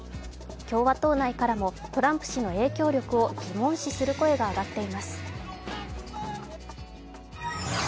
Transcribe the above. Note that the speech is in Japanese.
共和党内からもトランプ氏の影響力を疑問視する声が上がっています。